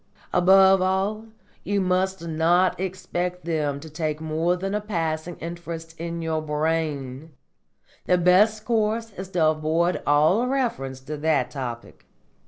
Above all, you must not expect them to take more than a passing interest in your brain. Your best course is to avoid all reference to that topic.